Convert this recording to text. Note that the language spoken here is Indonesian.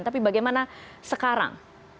tapi bagaimana sekarang